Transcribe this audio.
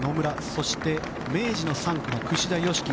そして明治の３区が櫛田佳希。